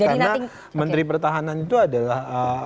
karena menteri pertahanan itu adalah